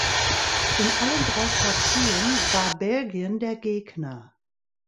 In allen drei Partien war Belgien der Gegner.